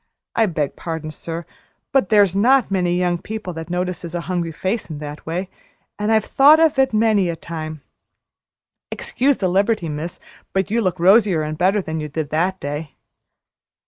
I beg pardon, sir, but there's not many young people that notices a hungry face in that way, and I've thought of it many a time. Excuse the liberty, miss, but you look rosier and better than you did that day."